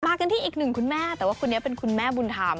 กันที่อีกหนึ่งคุณแม่แต่ว่าคนนี้เป็นคุณแม่บุญธรรม